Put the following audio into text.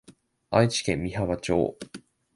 愛知県美浜町